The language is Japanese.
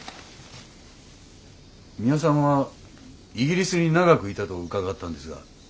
ミワさんはイギリスに長くいたと伺ったんですが。